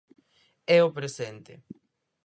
É o presente.